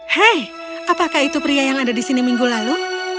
hei apakah itu pria yang ada di sini minggu lalu